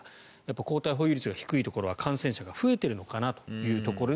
抗体保有率が低いところは感染者が増えているのかなと。